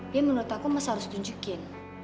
dia menurut aku mas harus nunjukin